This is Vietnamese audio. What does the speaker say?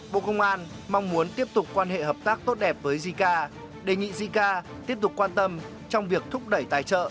bộ công an mong muốn tiếp tục quan hệ hợp tác tốt đẹp với jica đề nghị jica tiếp tục quan tâm trong việc thúc đẩy tài trợ